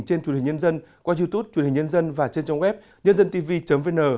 trên truyền hình nhân dân qua youtube truyền hình nhân dân và trên trang web nhândântv vn